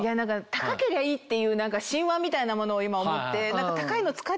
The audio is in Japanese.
高けりゃいいっていう神話みたいなものを今思って高いの使っ